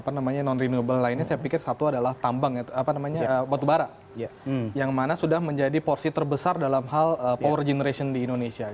apa namanya non renewable lainnya saya pikir satu adalah tambang batubara yang mana sudah menjadi porsi terbesar dalam hal power generation di indonesia